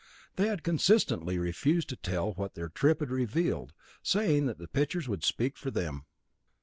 They had consistently refused to tell what their trip had revealed, saying that pictures would speak for them.